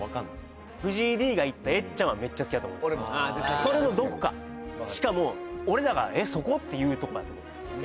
それのどこかしかも俺らが「えっそこ？」って言うとこやと思うえ